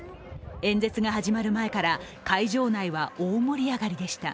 演説が始まる前から会場内は大盛り上がりでした。